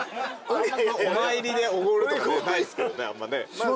お参りでおごるとかないっすけどねあんまね。